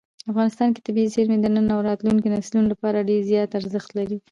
افغانستان کې طبیعي زیرمې د نن او راتلونکي نسلونو لپاره ډېر زیات ارزښت لري.